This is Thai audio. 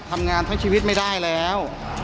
ทำงานทั้งชีวิตไม่ได้แล้ว